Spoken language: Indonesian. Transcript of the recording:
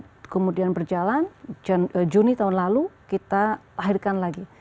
nah kemudian berjalan juni tahun lalu kita akhirkan lagi